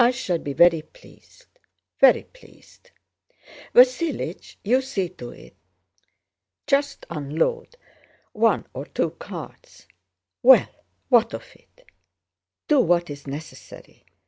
"I shall be very pleased, very pleased. Vasílich, you'll see to it. Just unload one or two carts. Well, what of it... do what's necessary..."